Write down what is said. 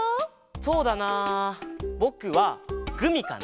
そうだなぼくはグミかな。